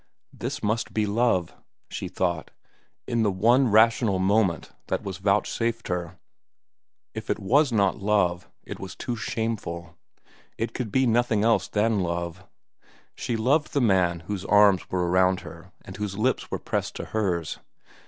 This must be love, she thought, in the one rational moment that was vouchsafed her. If it was not love, it was too shameful. It could be nothing else than love. She loved the man whose arms were around her and whose lips were pressed to hers.